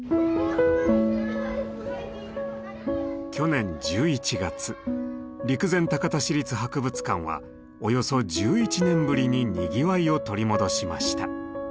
去年１１月陸前高田市立博物館はおよそ１１年ぶりににぎわいを取り戻しました。